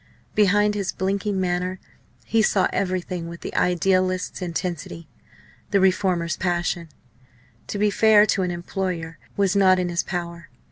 Behind his blinking manner he saw everything with the idealist's intensity, the reformer's passion. To be fair to an employer was not in his power.